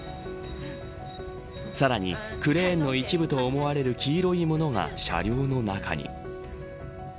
さらに、クレーンの一部と思われる黄色いものが車両の中に。